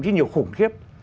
nhiều hơn khiếp